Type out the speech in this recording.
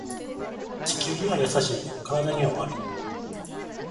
地球には優しいけど体には悪い